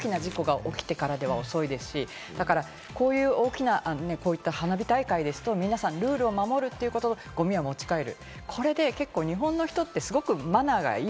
大きな事故が起きてからでは遅いですし、だからこういった大きな花火大会ですと、皆さんルールを守るということと、ゴミを持ち帰る。